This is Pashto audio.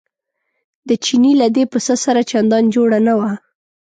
د چیني له دې پسه سره چندان جوړه نه وه.